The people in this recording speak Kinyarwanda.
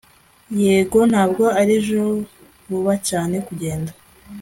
Yego ntabwo ari ejo vuba cyane kugenda